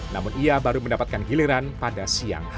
namun ia baru mendapatkan giliran pada siang hari